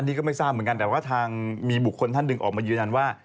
นี่ก็ไม่ทราบเหมือนกันแต่ว่าทางมีบุคคลท่านหนึ่งออกมายืนยันว่า